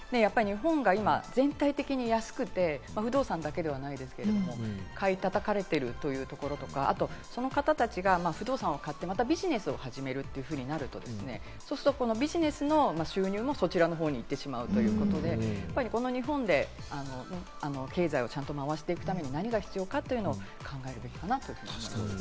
日本が今、全体的に安くて不動産だけではないですけれど、買い叩かれてるというところとか、あと、その方たちが不動産を買ってまたビジネスを始めるということになると、このビジネスの収入もそちらの方に行ってしまうということで、この日本で経済をちゃんと回していくために何が必要かということを考えるべきかなと思いますね。